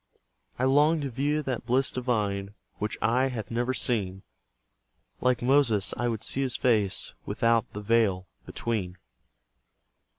I longed to view that bliss divine, Which eye hath never seen; Like Moses, I would see His face Without the veil between.